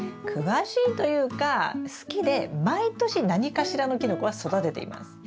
詳しいというか好きで毎年何かしらのキノコは育てています。